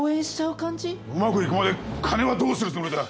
うまくいくまで金はどうするつもりだ？